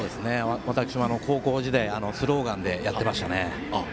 私も高校時代スローガンでやってましたね。